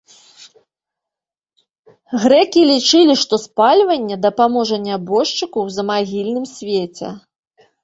Грэкі лічылі, што спальванне дапаможа нябожчыку ў замагільным свеце.